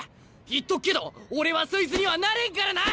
言っとくけど俺はそいつにはなれんからな！